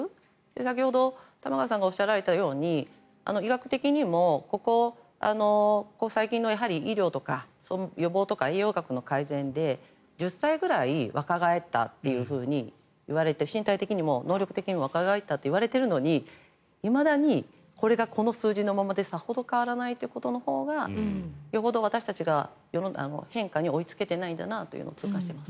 先ほど玉川さんがおっしゃられたように医学的にもここ最近の医療とか予防とか、栄養学の改善で１０歳ぐらい若返ったっていわれて身体的にも能力的にも若返ったといわれているのにいまだにこれがこの数字のままでさほど変わらないということのほうがよほど私たちが変化に追いつけてないんだなというのを痛感しています。